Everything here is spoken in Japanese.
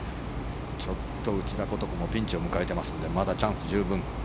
ちょっと内田ことこもピンチを迎えていますのでまだチャンス十分。